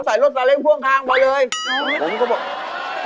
รถสาเล้งพ่วงข้างมาเลยผมก็บอก